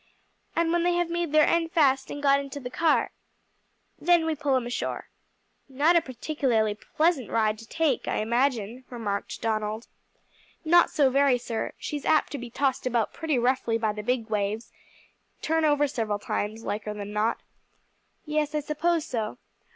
"And when they have made their end fast and got into the car " "Then we pull 'em ashore." "Not a particularly pleasant ride to take, I imagine," remarked Donald. "Not so very sir; she's apt to be tossed about pretty roughly by the big waves; turn over several times, liker than not." "Yes, I suppose so."